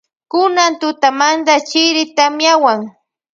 Kunan tutamanta chiri tamiawan.